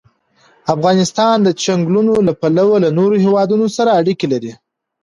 افغانستان د چنګلونه له پلوه له نورو هېوادونو سره اړیکې لري.